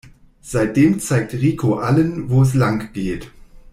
Seitdem zeigt Rico allen, wo es langgeht.